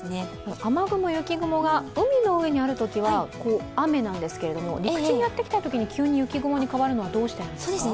雨雲、雪雲が海の上にあるときは雨なんですけれども陸地にやってきたときに急に雪雲に変わるのはどうしてなんですか？